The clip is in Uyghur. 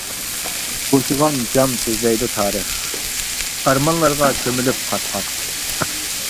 بوشىغان جام سۆزلەيدۇ تارىخ، ئارمانلارغا كۆمۈلۈپ قات-قات.